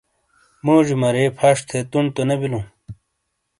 موڙی مرے پھش تھے ٹونڈ تو نے بیلو؟